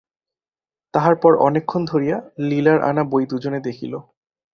তাহার পর অনেকক্ষণ ধরিয়া লীলার আনা বই দুজনে দেখিল।